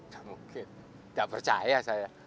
tak mungkin gak percaya saya